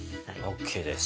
ＯＫです。